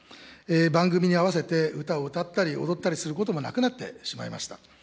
番組に合わせて、歌を歌ったり踊ったりすることもなくなってしまいました。